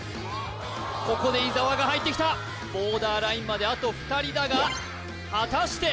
ここで伊沢が入ってきたボーダーラインまであと２人だが果たして？